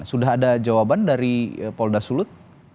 sudah ada jawaban dari polda sulut